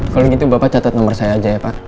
kalau gitu bapak catat nomor saya aja ya pak